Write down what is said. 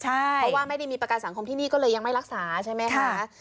เพราะว่าไม่ได้มีประกันสังคมที่นี่ก็เลยยังไม่รักษาใช่ไหมคะ